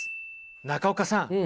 中岡さん